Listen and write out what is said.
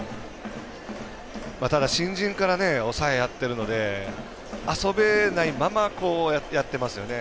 ただ、新人から抑えをやっているので遊べないままやってますよね。